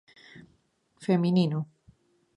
Feminino.